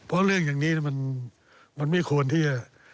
เพราะเรื่องอย่างนี้มันไม่ควรที่จะ